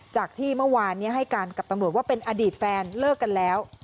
จากที่เมื่อวานให้การกับตำรวจว่าเป็นอดีตแฟนเลิกกันแล้ว